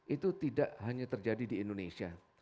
itu tidak hanya terjadi di indonesia